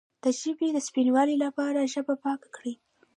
د ژبې د سپینوالي لپاره ژبه پاکه کړئ